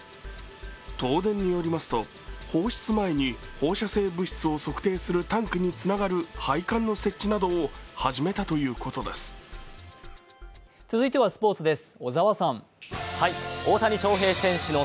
東電によりますと、放出前に放射性物質を測定するタンクにつながる配管の設置などを始めたということです。